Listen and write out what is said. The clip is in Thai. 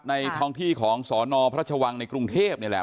ท้องที่ของสนพระชวังในกรุงเทพนี่แหละ